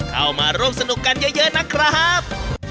เข้ามาร่วมสนุกกันเยอะนะครับ